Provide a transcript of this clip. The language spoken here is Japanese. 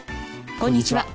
こんにちは。